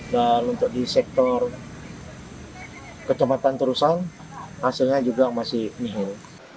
dan untuk di sektor kecamatan terusan hasilnya juga masih nihil